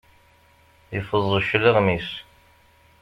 Iffeẓ cclaɣem-is.